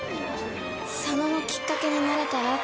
佐野のきっかけになれたらって。